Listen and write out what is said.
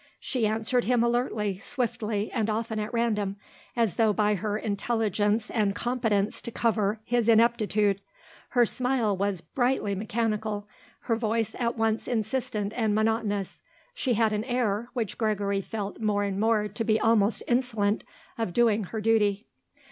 She answered him alertly, swiftly, and often at random, as though by her intelligence and competence to cover his ineptitude. Her smile was brightly mechanical; her voice at once insistent and monotonous. She had an air, which Gregory felt more and more to be almost insolent, of doing her duty.